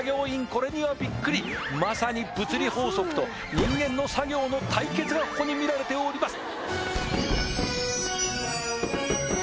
これにはびっくりまさに物理法則と人間の作業の対決がここに見られております